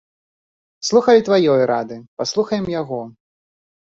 Слухалі тваёй рады, паслухаем яго.